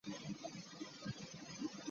Lwaki toyagala kwebika nga webase?